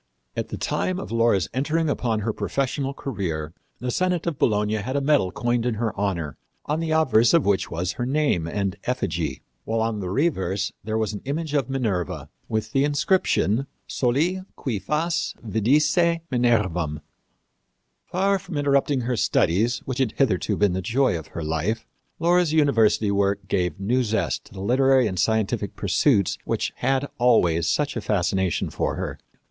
At the time of Laura's entering upon her professional career the senate of Bologna had a medal coined in her honor, on the obverse of which was her name and effigy, while on the reverse there was an image of Minerva, with the inscription, Soli cui fas vidisse Minervam. Far from interrupting her studies, which had hitherto been the joy of her life, Laura's university work gave new zest to the literary and scientific pursuits which had always such a fascination for her.